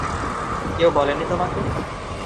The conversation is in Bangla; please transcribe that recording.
কেউ বলেনি তোমাকে?